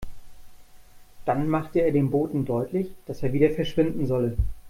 Dann machte er dem Boten deutlich, dass er wieder verschwinden solle.